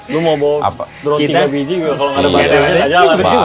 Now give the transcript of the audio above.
lu mau bawa tiga biji kalau nggak ada baterainya